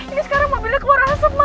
ini sekarang mobilnya keluar asap ma